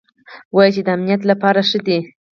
وايي چې د امنيت له پاره ښه دي.